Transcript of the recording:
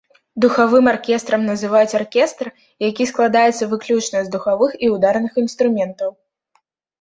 Духавым аркестрам называюць аркестр, які складаецца выключна з духавых і ўдарных інструментаў.